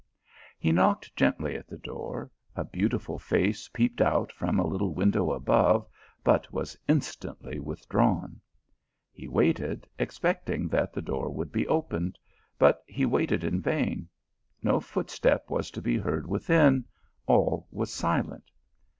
He knocked gently at the door, a beautiful face 320 THE ALHAMBEA. peeped out from a little window above, but was in stantly withdrawn. He waited, expecting that the door would be opened ; but he waited in, vain : no footstep was fo be heard within, all was silent.